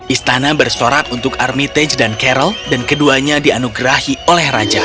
istana bersorak untuk armitage dan carol dan keduanya dianugerahi oleh raja